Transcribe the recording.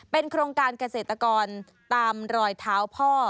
โครงการเกษตรกรตามรอยเท้าพ่อ